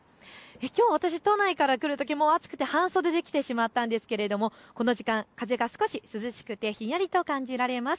きょう私は都内から来るとき暑くて半袖で来てしまったんですが、この時間、風が少し涼しくてひんやりと感じられます。